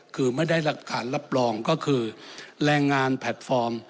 คือไม่ได้หลักฐานรับรองก็คือแรงงานแพลตฟอร์ม